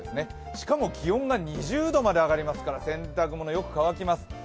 しかも気温が２０度まで上がりますから洗濯物、よく乾きます。